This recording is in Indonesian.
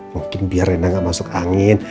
mungkin biar rena gak masuk angin